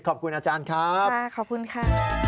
ขอบคุณอาจารย์ครับขอบคุณค่ะ